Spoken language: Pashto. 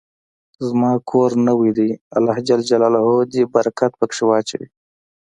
زما کور نوې ده، الله ج د برکت په کي واچوی